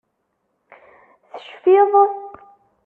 Tecfiḍ?